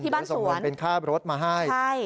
ที่บ้านสวนเป็นข้าวรถมาให้